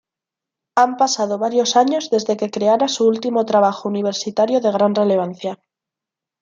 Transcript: Han pasado varios años desde que creara su último trabajo universitario de gran relevancia.